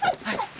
はい！